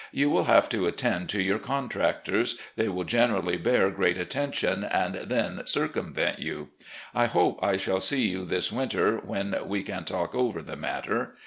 You will have to attend to your contractors. They will generally bear great attention, and then circumvent you. ... I hope I shall see you this winter, when we can talk over the matter.